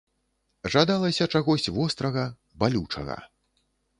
Жадалася чагось вострага, балючага.